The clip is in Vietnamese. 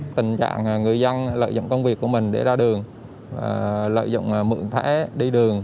tình trạng người dân lợi dụng công việc của mình để ra đường lợi dụng mượn thẻ đi đường